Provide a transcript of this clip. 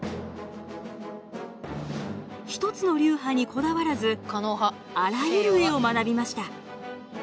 １つの流派にこだわらずあらゆる絵を学びました。